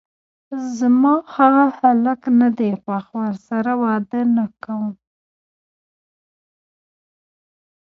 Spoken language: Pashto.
زما هغه هلک ندی خوښ، زه ورسره واده نکوم!